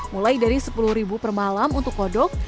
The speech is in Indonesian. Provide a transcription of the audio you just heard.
mulai dari sepuluh ribu per malam untuk kodok